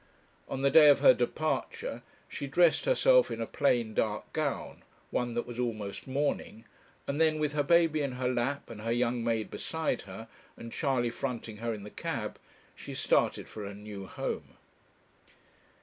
On the day of her departure she dressed herself in a plain dark gown, one that was almost mourning, and then, with her baby in her lap, and her young maid beside her, and Charley fronting her in the cab, she started for her new home.